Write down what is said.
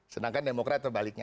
sedangkan demokra terbaliknya